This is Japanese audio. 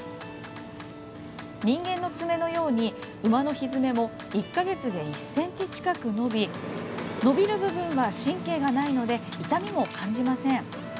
人間の爪のように馬のひづめも１か月で１ｃｍ近く伸び伸びる部分は神経がないので痛みも感じません。